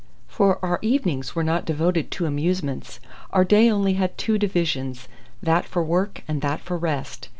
For our evenings were not devoted to amusements. Our day only had two divisions, that for work and that for rest.